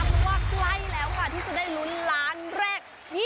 เพราะว่าใกล้แล้วค่ะที่จะได้ลุ้นล้านแรก